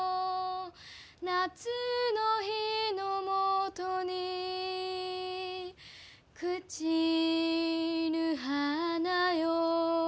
「夏の日のもとに朽ちぬ花よ」